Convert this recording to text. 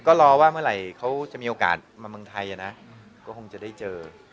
ก็รอว่าเมื่อไหร่เขาจะมีโอกาสมาเมืองไทยนะก็คงจะได้เจอ